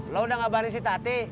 lo udah ngabarin si tati